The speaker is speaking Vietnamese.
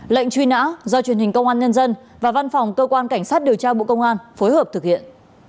lệnh truy nã do truyền hình công an nhân dân và văn phòng cơ quan cảnh sát điều tra bộ công an phối hợp thực hiện